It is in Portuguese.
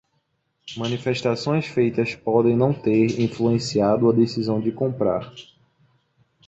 Manifestações feitas podem não ter influenciado a decisão de comprar.